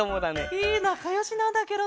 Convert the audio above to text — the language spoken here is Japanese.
へえなかよしなんだケロね。